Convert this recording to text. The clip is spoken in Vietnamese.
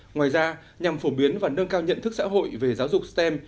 ngoài ra nhằm phổ biến và nâng cao nhận thức xã hội về giáo dục stem